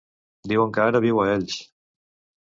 Diuen que ara viu a Elx.